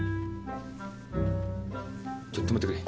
ちょっと止めてくれ。